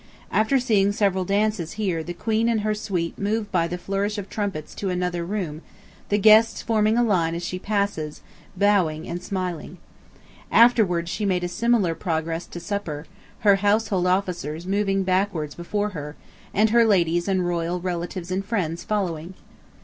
After seeing several dances here the Queen and her suite move by the flourish of trumpets to another room, the guests forming a lane as she passes, bowing and smiling. Afterward she made a similar progress to supper, her household officers moving backwards before her, and her ladies and royal relatives and friends following.